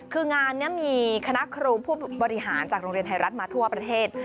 คืองานนี้มีคณะครูผู้บริหารจากโรงเรียนไทยรัฐมาทั่วประเทศ